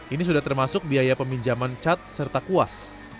ini sudah termasuk biaya peminjaman cat serta kuas